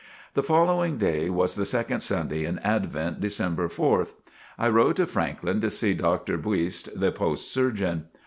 The following day was the Second Sunday in Advent, December 4th. I rode to Franklin to see Dr. Buist, the Post Surgeon.